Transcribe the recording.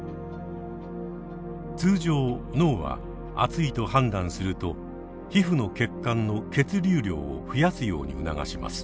通常脳は暑いと判断すると皮膚の血管の血流量を増やすように促します。